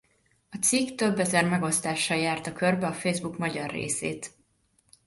A cikk több ezer megosztással járta körbe a Facebook magyar részét.